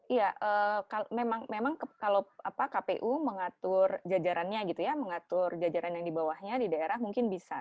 iya memang kalau kpu mengatur jajarannya gitu ya mengatur jajaran yang di bawahnya di daerah mungkin bisa